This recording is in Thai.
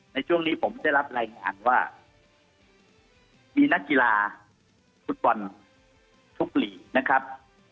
ในช่วงนี้ผมได้รับรายงานว่ามีนักกีฬาฟุตบอลทุกหลีกนะครับ